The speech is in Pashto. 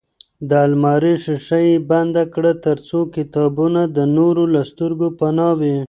د المارۍ ښیښه یې بنده کړه ترڅو کتابونه د نورو له سترګو پناه وي.